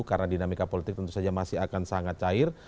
karena dinamika politik tentu saja masih akan sangat cair